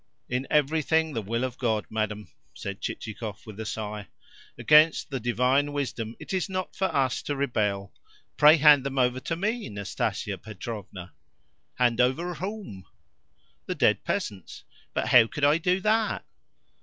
"In everything the will of God, madam," said Chichikov with a sigh. "Against the divine wisdom it is not for us to rebel. Pray hand them over to me, Nastasia Petrovna." "Hand over whom?" "The dead peasants." "But how could I do that?"